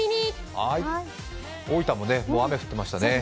大分も雨降っていましたね。